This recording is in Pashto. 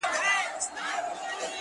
په دا تش دیدن به ولي خپل زړګی خوشالومه!!